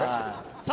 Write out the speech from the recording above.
さあ